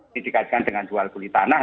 didikatkan dengan jual guli tanah